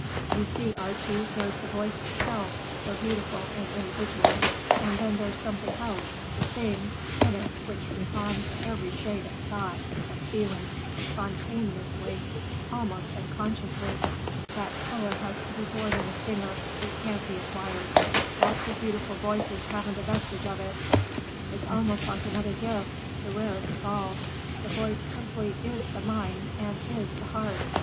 "You see, Archie, there's the voice itself, so beautiful and individual, and then there's something else; the thing in it which responds to every shade of thought and feeling, spontaneously, almost unconsciously. That color has to be born in a singer, it can't be acquired; lots of beautiful voices haven't a vestige of it. It's almost like another gift—the rarest of all. The voice simply is the mind and is the heart.